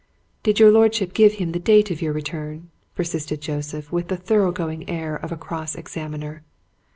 "Did your lordship give him the date of your return?" persisted Joseph, with the thorough going air of a cross examiner.